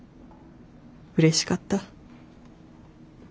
うれしかった。